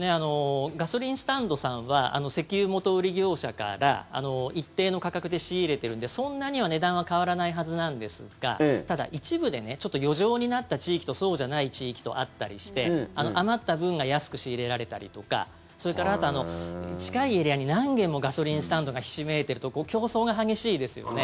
ガソリンスタンドさんは石油元売り業者から一定の価格で仕入れているのでそんなには値段は変わらないはずなんですがただ、一部でちょっと余剰になった地域とそうじゃない地域とあったりして余った分が安く仕入れられたりとかそれからあとは、近いエリアに何軒もガソリンスタンドがひしめいているところ競争が激しいですよね。